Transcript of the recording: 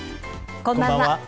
こんばんは。